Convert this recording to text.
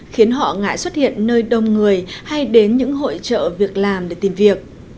khiến họ ngại xuất hiện nơi đông người hay đến những hội trợ việc làm để tìm việc